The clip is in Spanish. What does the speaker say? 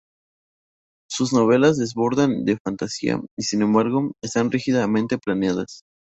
Sus novelas desbordan de fantasía, y sin embargo, están rígidamente planeadas.